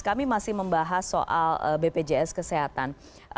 kami masih membahas soal bpjs kesehatan